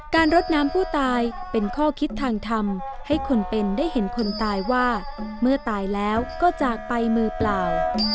รดน้ำผู้ตายเป็นข้อคิดทางทำให้คนเป็นได้เห็นคนตายว่าเมื่อตายแล้วก็จากไปมือเปล่า